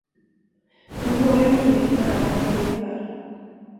De dåliga nyheterna är att jag lever.